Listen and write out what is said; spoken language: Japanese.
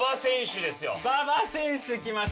馬場選手きました！